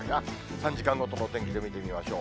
３時間ごとのお天気で見てみましょう。